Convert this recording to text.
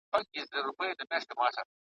ژړا نه وه څو پیسوته خوشالي وه `